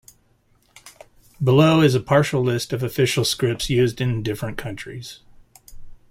Below is a partial list of official scripts used in different countries.